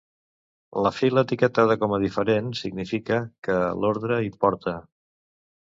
La fila etiquetada com a "Diferent" significa que l'ordre importa.